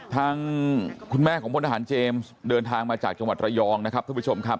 ทางคุณแม่ของพลทหารเจมส์เดินทางมาจากจังหวัดระยองนะครับท่านผู้ชมครับ